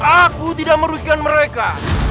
aku tidak merugikan mereka